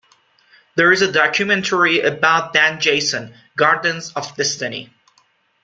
There is a documentary about Dan Jason: "Gardens of Destiny".